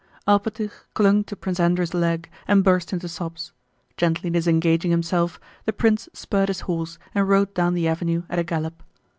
Alpátych clung to Prince Andrew's leg and burst into sobs. Gently disengaging himself, the prince spurred his horse and rode down the avenue at a gallop.